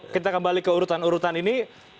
kita kembali ke urutan urutan ini